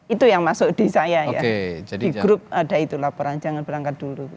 itu yang masuk di saya ya di grup ada itu laporan jangan berangkat dulu